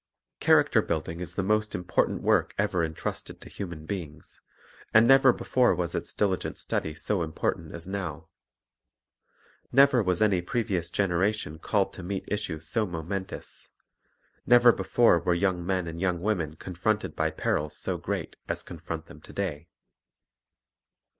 Character building is the most important work ever entrusted to human beings; and never before was its diligent study so important as now. Never was any outlook for the Youth previous generation called to meet issues so momentous; never before were young men and young women con fronted by perils so great as confront them to day.